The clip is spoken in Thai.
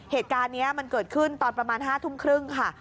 เหตุการณ์นี้มันเกิดขึ้นตอนประมาณ๕ทุ่มครึ่งค่ะ